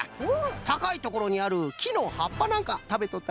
たかいところにあるきのはっぱなんかたべとったらしいぞ。